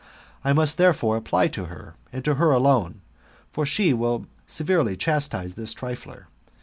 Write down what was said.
I must therefore apply to her, and to her alone ; for she will most severely chastise this tnfler.